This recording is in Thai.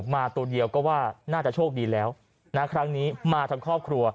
มาตัวเดียวก็ว่าน่าจะโชคดีแล้วนะครั้งนี้มาทั้งครอบครัว